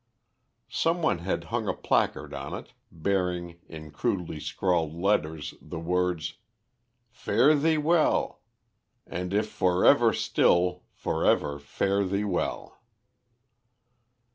Some one had hung a placard on it, bearing, in crudely scrawled letters the words: "Fare thee well, and if for ever Still for ever Fare thee well."